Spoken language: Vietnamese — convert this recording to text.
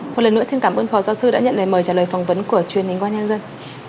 một lần nữa xin cảm ơn phó giáo sư đã nhận lời mời trả lời phỏng vấn của truyền hình công an nhân dân